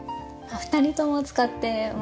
二人とも使ってます。